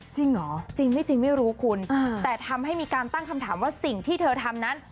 จริงเหรอจริงไม่จริงไม่รู้คุณแต่ทำให้มีการตั้งคำถามว่าสิ่งที่เธอทำนั้น